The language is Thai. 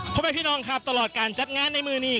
พ่อแม่พี่น้องครับตลอดการจัดงานในมือนี้